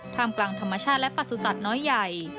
ท่ามกลางธรรมชาติและประสุทธิ์สัตว์น้อยใหญ่